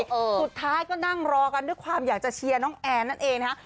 สุดท้ายก็นั่งรอกันด้วยความอยากจะเชียร์น้องแอนนั่นเองนะฮะ